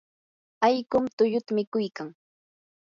allqum tulluta mikuykan.